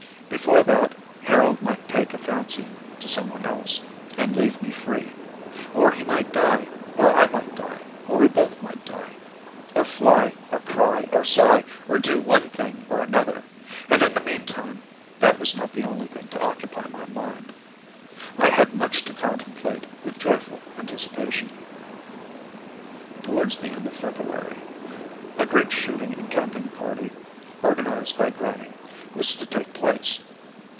Before that Harold might take a fancy to someone else, and leave me free; or he might die, or I might die, or we both might die, or fly, or cry, or sigh, or do one thing or another, and in the meantime that was not the only thing to occupy my mind: I had much to contemplate with joyful anticipation. Towards the end of February a great shooting and camping party, organized by grannie, was to take place.